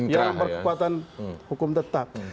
yang berkekuatan hukum tetap